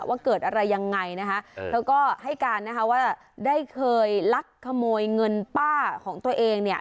ว่าเกิดอะไรยังไงนะคะเธอก็ให้การนะคะว่าได้เคยลักขโมยเงินป้าของตัวเองเนี่ย